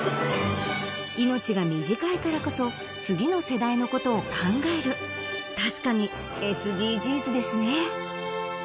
命が短いからこそ次の世代のことを考える確かにＳＤＧｓですね